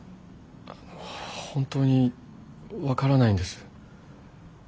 あの本当に分からないんです。